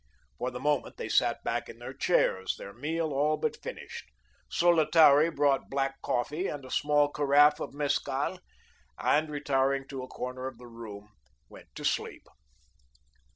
For the moment they sat back in their chairs, their meal all but finished. Solotari brought black coffee and a small carafe of mescal, and retiring to a corner of the room, went to sleep.